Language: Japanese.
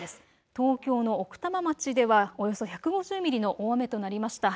東京の奥多摩町ではおよそ１５０ミリの大雨となりました。